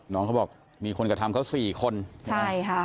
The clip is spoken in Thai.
น้องเขาบอกมีคนกระทำเขาสี่คนใช่ค่ะ